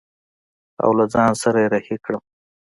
او له ځان سره يې رهي کړم.